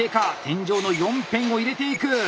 天井の４辺を入れていく！